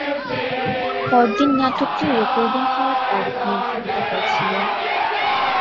পরদিন নাটকটির রেকর্ডিং হওয়ার তারিখ নির্ধারিত ছিল।